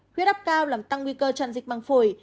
huyết áp cao làm tăng nguy cơ chăn dịch măng phổi